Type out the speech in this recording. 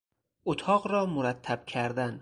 اتاق را مرتب کردن